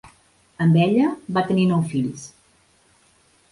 Amb ella va tenir nou fills.